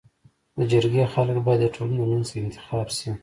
د جرګي خلک بايد د ټولني د منځ څخه انتخاب سي.